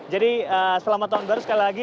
jadi selamat tahun baru sekali lagi